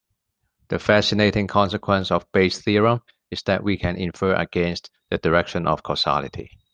The fascinating consequence of Bayes' theorem is that we can infer against the direction of causality.